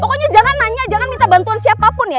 pokoknya jangan nanya jangan minta bantuan siapapun ya